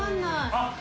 あっ！